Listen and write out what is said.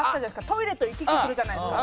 トイレと行き来するじゃないですか。